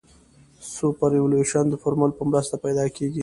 سوپرایلیویشن د فورمول په مرسته پیدا کیږي